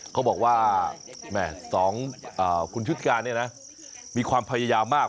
เขาบอกว่า๒คุณชุดการเนี่ยนะมีความพยายามมาก